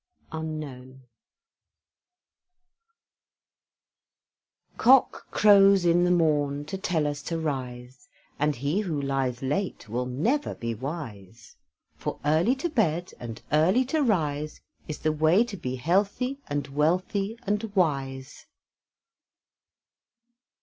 UNKNOWN Cock crows in the morn, To tell us to rise, And he who lies late Will never be wise. For early to bed, And early to rise, Is the way to be healthy And wealthy and wise.